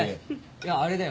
いやあれだよ